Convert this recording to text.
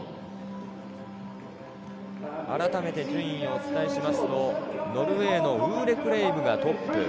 あらためて順位をお伝えしますと、ノルウェーのウーレクレイブがトップ。